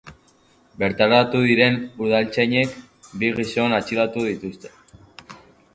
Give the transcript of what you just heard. Bertaratu diren udaltzainek bi gizon atxilotu dituzte.